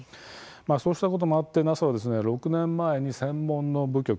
そうしたこともあってＮＡＳＡは６年前に専門の部局